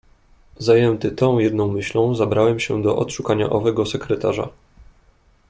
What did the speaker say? "Zajęty tą jedną myślą zabrałem się do odszukania owego sekretarza."